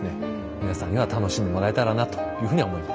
皆さんには楽しんでもらえたらなというふうに思います。